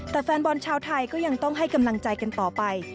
แต่แฟนบอลชาวไทยก็ยังต้องให้กำลังใจกันต่อไป